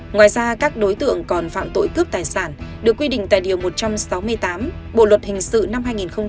ngoài ra các đối tượng còn phạm tội cướp tài sản được quy định tại điều một trăm sáu mươi tám bộ luật hình sự năm hai nghìn một mươi năm